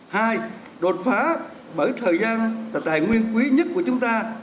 hai đột phá bởi thời gian là tài nguyên quý nhất của chúng ta